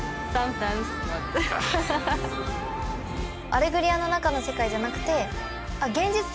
『アレグリア』の中の世界じゃなくて。